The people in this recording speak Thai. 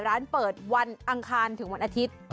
ร้านเปิดวันอังคารถึงวันอาทิตย์